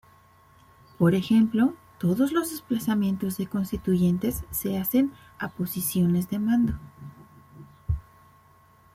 Por ejemplo, todos los desplazamientos de constituyentes se hacen a "posiciones de mando".